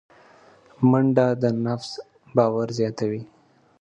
منډه د نفس باور زیاتوي